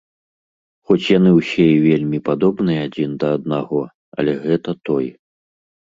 Хоць яны ўсе і вельмі падобны адзін да аднаго, але гэта той!